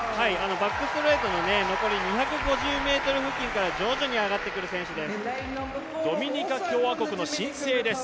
バックストレートの残り２５０ｍで徐々に上がってくる選手です。